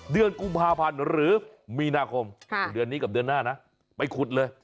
เดือนกุมภาพันธ์หรือมีนาคมเดือนนี้กับเดือนหน้านะไปขุดเลย